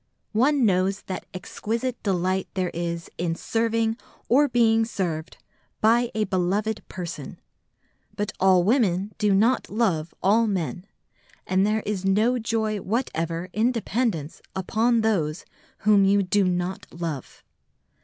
One knows the exquisite delight there is in serving or being served by a beloved person; but all women do not love all men, and there is no joy whatever in dependence upon those whom you do not love.